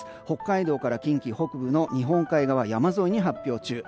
北海道から近畿北部の日本海側の山沿いに発表中。